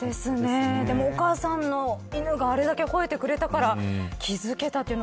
お母さん犬があれだけ、ほえてくれたから気付けたという。